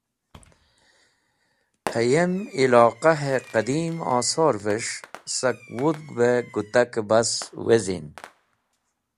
Hayem Iloqahe Qadim Osorves̃h sak wudhg be gutake bas wezin.